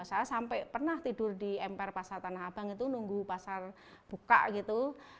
saya sampai pernah tidur di emper pasar tanah abang itu nunggu pasar buka gitu